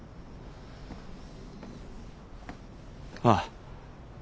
ああ。